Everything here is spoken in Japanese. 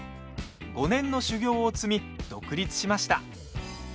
５年の修業を積み、独立しました。